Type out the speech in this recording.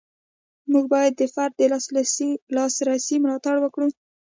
موږ باید د فرد د لاسرسي ملاتړ وکړو.